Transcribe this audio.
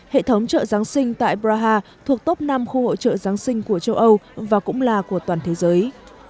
hệ thống chợ giáng sinh tại praha thuộc top năm khu hội trợ giáng sinh của châu âu và cũng là của toàn thế giới